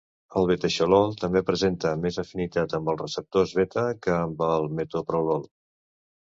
El betaxolol també presenta més afinitat amb els receptors beta que el metoprolol.